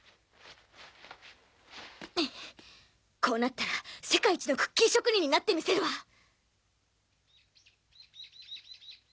こうなったら世界一のクッキー職人になって見せるわ！